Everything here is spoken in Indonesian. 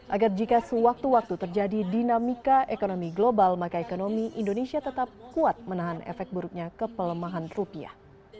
agar jika sewaktu waktu terjadi dinamika ekonomi global maka ekonomi indonesia tetap kuat menahan efek buruknya kepelemahan rupiah